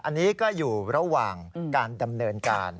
อันนี้ก็อยู่ระหว่างการดำเนินการ